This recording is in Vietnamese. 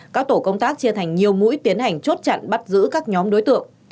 các tổ công tác chia thành nhiều mũi tiến hành chốt chặn bắt giữ các nhóm đối tượng